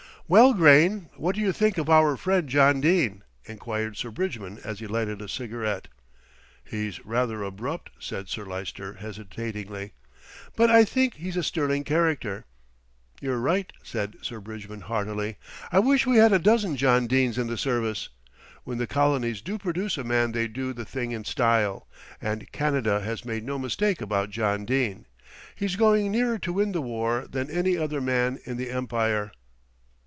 "Well, Grayne, what do you think of our friend, John Dene?" inquired Sir Bridgman as he lighted a cigarette. "He's rather abrupt," said Sir Lyster hesitatingly, "but I think he's a sterling character." "You're right," said Sir Bridgman heartily. "I wish we had a dozen John Denes in the Service. When the colonies do produce a man they do the thing in style, and Canada has made no mistake about John Dene. He's going nearer to win the war than any other man in the Empire."